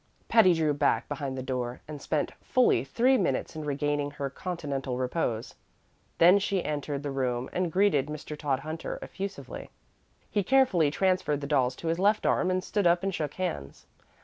Patty drew back behind the door, and spent fully three minutes in regaining her continental repose; then she entered the room and greeted Mr. Todhunter effusively. He carefully transferred the dolls to his left arm and stood up and shook hands.